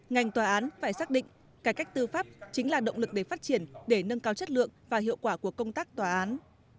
ngành tòa án phải xác định cải cách tư pháp chính là động lực để phát triển để nâng cao chất lượng và hiệu quả của công tác tòa án